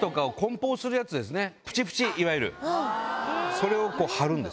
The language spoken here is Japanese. それを貼るんです。